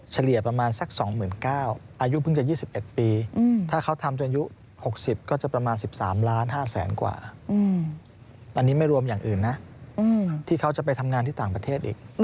เฉลี่ยประมาณสัก๒๙๐๐อายุเพิ่งจะ๒๑ปีถ้าเขาทำจนอายุ๖๐ก็จะประมาณ๑๓ล้าน๕แสนกว่าอันนี้ไม่รวมอย่างอื่นนะที่เขาจะไปทำงานที่ต่างประเทศอีก